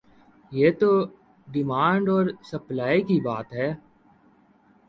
یہ تو ڈیمانڈ اور سپلائی کی بات ہے۔